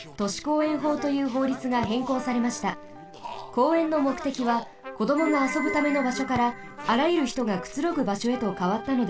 公園のもくてきはこどもがあそぶためのばしょからあらゆるひとがくつろぐばしょへとかわったのです。